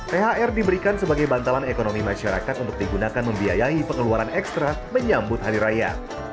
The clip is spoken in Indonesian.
thr diberikan sebagai bantalan ekonomi masyarakat untuk digunakan membiayai pengeluaran ekstra menyambut hari raya